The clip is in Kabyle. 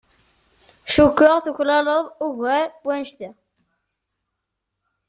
Cukkeɣ tuklaleḍ ugar n wannect-a.